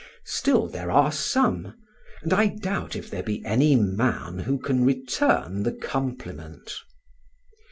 Still there are some and I doubt if there be any man who can return the compliment.